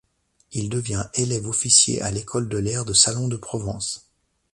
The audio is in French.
Il devient élève-officier à l’école de l’air de Salon-de-Provence.